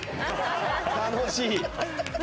楽しい。